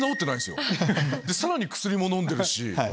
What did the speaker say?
さらに薬も飲んでるし。